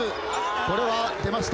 これは出ました。